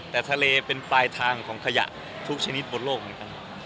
แต่ทะเลเป็นปลายทางของขยะทุกชนิดบนโลกเหมือนกัน